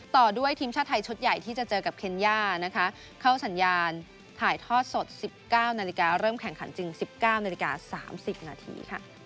ต่อด้วยทีมชาติไทยชุดใหญ่ที่จะเจอกับเคนย่านะคะเข้าสัญญาณถ่ายทอดสด๑๙นาฬิกาเริ่มแข่งขันจริง๑๙นาฬิกา๓๐นาที